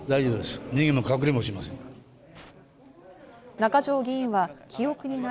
中条議員は、記憶にない。